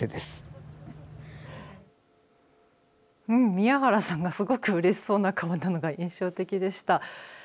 宮原さんがすごくうれしそうな顔なのが印象的でした。